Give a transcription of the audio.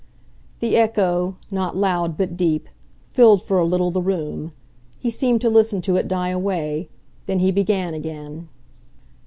The echo, not loud but deep, filled for a little the room. He seemed to listen to it die away; then he began again.